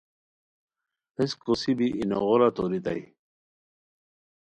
ہیس کوسی بی ای نوغورا توریتائے